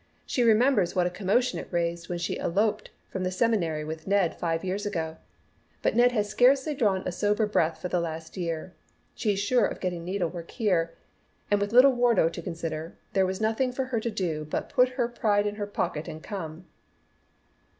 She remembers what a commotion it raised when she eloped from the Seminary with Ned, five years ago. But Ned has scarcely drawn a sober breath for the last year. She's sure of getting needlework here, and with little Wardo to consider there was nothing for her to do but put her pride in her pocket and come."